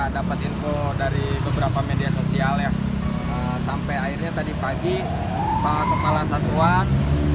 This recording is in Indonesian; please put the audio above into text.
dapat info dari beberapa media sosial ya sampai akhirnya tadi pagi pak kepala satuan